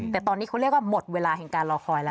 แต่ตอนนี้เขาเรียกว่าหมดเวลาแห่งการรอคอยแล้ว